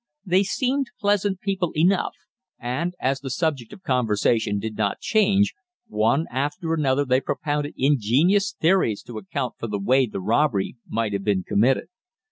They seemed pleasant people enough, and, as the subject of conversation did not change, one after another they propounded ingenious theories to account for the way the robbery might have been committed.